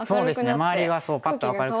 周りがすごいパッと明るく。